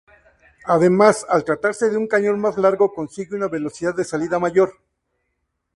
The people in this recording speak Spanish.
Además, al tratarse de un cañón más largo consigue una velocidad de salida mayor.